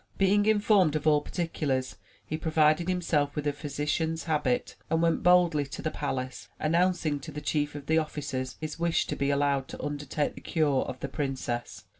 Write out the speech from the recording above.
Being informed of all particulars, he provided himself with a physician's habit and went boldly to the palace, announcing to the chief of the officers his wish to be allowed to undertake the cure of the princess.